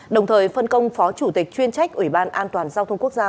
đồng thời phân công phó chủ tịch chuyên trách ủy ban an toàn giao thông quốc gia